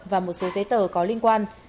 và một số giấy tờ có liên quan